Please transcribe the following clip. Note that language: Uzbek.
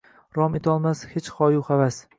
Rom etolmas hech hoyu-havas